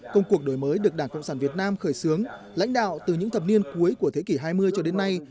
công cuộc đổi mới được đảng cộng sản việt nam khởi xướng lãnh đạo từ những thập niên cuối của thế kỷ hai mươi cho đến nay